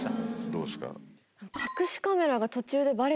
どうですか？